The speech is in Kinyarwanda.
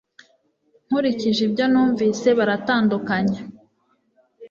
Nkurikije ibyo numvise, baratandukanye